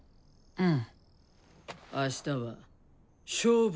うん！